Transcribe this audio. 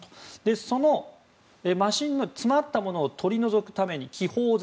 そのマシンに詰まったものを取り除くために気包材。